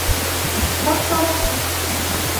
— Яҡшыраҡ ҡара.